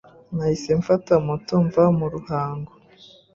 Nahise mfata moto mva mu Ruhango